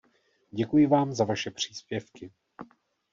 Děkuji vám za vaše příspěvky.